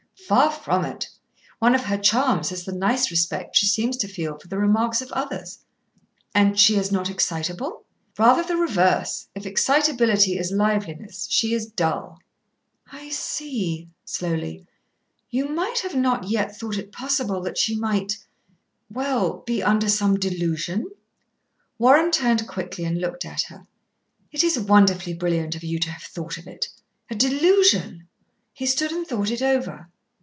"Far from it. One of her charms is the nice respect she seems to feel for the remarks of others." "And she is not excitable?" "Rather the reverse. If excitability is liveliness, she is dull." "I see," slowly, "you have not yet thought it possible that she might well be under some delusion." Warren turned quickly and looked at her. "It is wonderfully brilliant of you to have thought of it. A delusion?" He stood and thought it over.